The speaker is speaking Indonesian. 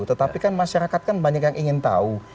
tetapi kan masyarakat kan banyak yang ingin tahu